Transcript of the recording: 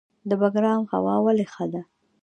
د بګرام هوا ولې ښه ده؟